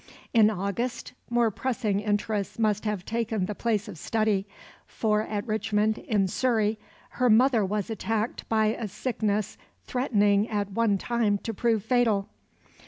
In August more pressing interests must have taken the place of study, for at Richmond in Surrey her mother was attacked by a sickness threatening at one time to prove fatal.